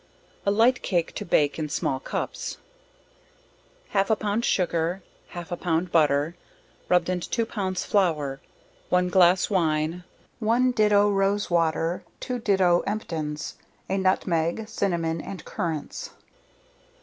A light Cake to bake in small cups. Half a pound sugar, half a pound butter, rubbed into two pounds flour, one glass wine, one do rose water, two do. emptins, a nutmeg, cinnamon and currants.